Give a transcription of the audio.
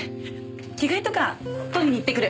着替えとか取りにいってくる。